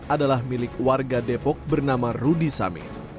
adalah milik warga depok bernama rudy sami